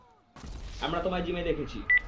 আমরা তোমায় জিমে দেখেছি।